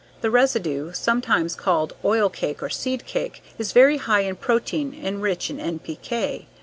The residue, sometimes called oil cake or seed cake, is very high in protein and rich in NPK.